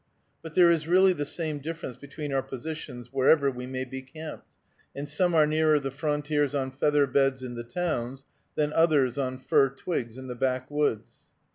But there is really the same difference between our positions wherever we may be camped, and some are nearer the frontiers on feather beds in the towns than others on fir twigs in the backwoods.